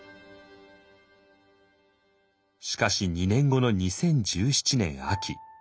しかし２年後の２０１７年秋。